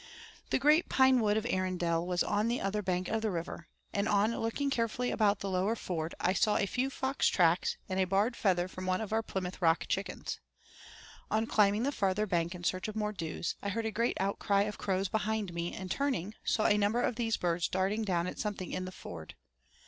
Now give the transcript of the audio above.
The great pine wood of Erindale was on the other bank of the river, and on looking carefully about the lower ford I saw a few fox tracks and a barred feather from one of our Plymouth Rock chickens. On climbing the farther bank in search of more clews, I heard a great outcry of crows behind me, and turning, saw a number of these birds darting down at something in the ford.